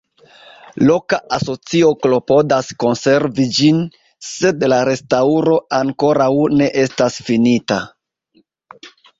Loka asocio klopodas konservi ĝin, sed la restaŭro ankoraŭ ne estas finita.